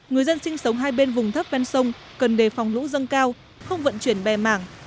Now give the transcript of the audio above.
người dân sinh sống hai bên vùng thấp ven sông cần đề phòng lũ dâng cao không vận chuyển bè mảng